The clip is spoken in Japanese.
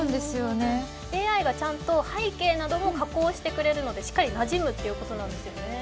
ＡＩがちゃんと背景なども加工してくれるのでなじむということなんですよね。